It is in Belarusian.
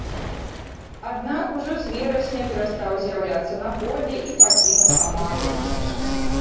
Аднак, ужо з верасня перастаў з'яўляцца на полі і пакінуў каманду.